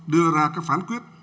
đưa ra các phán quyết